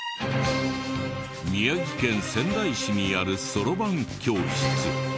宮城県仙台市にあるそろばん教室。